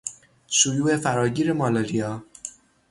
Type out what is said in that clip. شیوع فراگیر مالاریا